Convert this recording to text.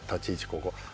ここ。